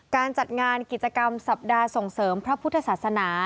การจัดงานกิจกรรมสัปดาห์ส่งเสริมพระพุทธศาสนา